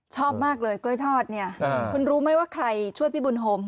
ชอบมากเลยกล้วยทอดเนี่ยคุณรู้ไหมว่าใครช่วยพี่บุญโฮม